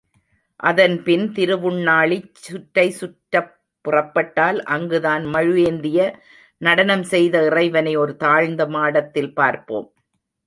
அதன்பின் திருவுண்ணாழிச் சுற்றைச் சுற்றப்புறப்பட்டால் அங்குதான் மழு ஏந்தி நடனம் செய்த இறைவனை ஒரு தாழ்ந்த மாடத்தில் பார்ப்போம்.